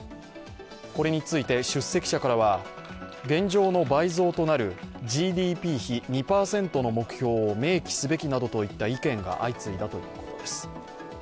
これについて出席者からは現状の倍増となるＧＤＰ比２％の目標を明記すべきなどといった意見が相次いだということです。